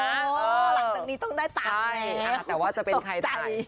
หลังจากนี้ต้องได้ตังค์แต่ว่าจะเป็นใครได้